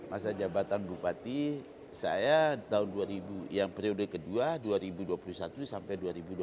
masa jabatan bupati saya tahun dua ribu yang periode kedua dua ribu dua puluh satu sampai dua ribu dua puluh